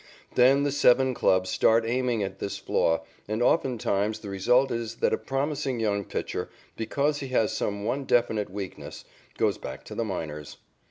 Then the seven clubs start aiming at this flaw, and oftentimes the result is that a promising young pitcher, because he has some one definite weakness, goes back to the minors.